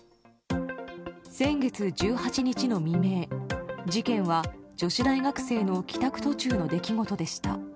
先月１８日の未明、事件は女子大学生の帰宅途中の出来事でした。